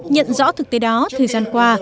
nhận rõ thực tế đó thời gian qua